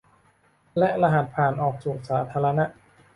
และรหัสผ่านออกสู่สาธารณะ